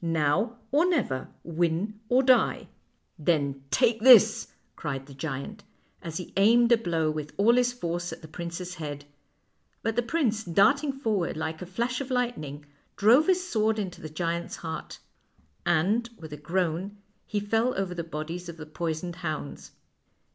"Now or never; win or die." 148 FAIRY TALES " Then take this," cried the giant, as he aimed a blow with all his force at the prince's head; but the prince, darting forward like a flash of lightning, drove his sword into the giant's heart, and, with a groan, he fell over the bodies of the poisoned hounds.